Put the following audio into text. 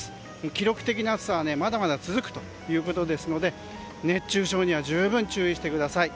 記録的な暑さがまだまだ続くということですので熱中症には十分注意してください。